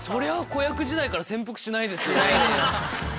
子役時代から潜伏しないですよね。